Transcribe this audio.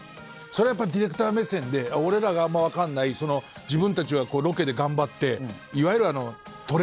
それはやっぱディレクター目線で俺らがあんま分かんない自分たちはロケで頑張っていわゆる撮れ高。